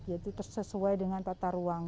yaitu sesuai dengan tata ruang